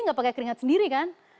nggak pakai keringat sendiri kan